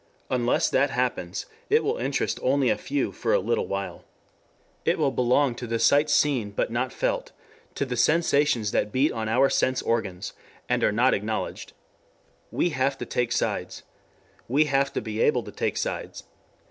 Unless that happens it will interest only a few for a little while. It will belong to the sights seen but not felt, to the sensations that beat on our sense organs, and are not acknowledged. We have to take sides. We have to be able to take sides.